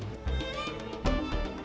zakat fitrah dan zakat mal